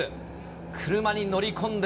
車に乗り込んで。